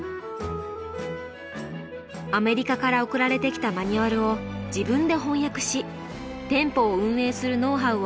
アメリカから送られてきたマニュアルを自分で翻訳し店舗を運営するノウハウを学んでいきました。